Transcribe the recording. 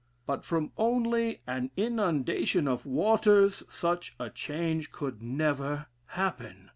But from only an inundation of waters such a change could never happen.